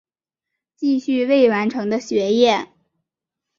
继续未完成的学业